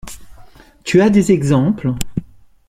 Tu as des exemples?